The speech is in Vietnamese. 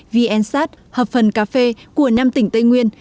vnsat hợp phần cà phê của năm tỉnh tây nguyên